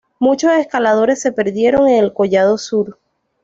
Muchos escaladores se perdieron en el collado Sur.